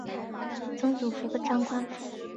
曾祖父张宽甫。